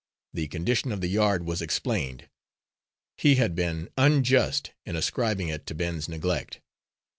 The condition of the yard was explained; he had been unjust in ascribing it to Ben's neglect.